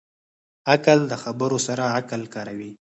عاقل د خبرو سره عقل کاروي.